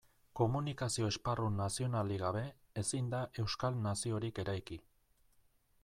Komunikazio esparru nazionalik gabe, ezin da euskal naziorik eraiki.